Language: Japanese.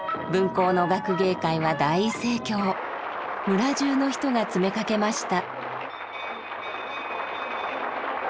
村じゅうの人が詰めかけました。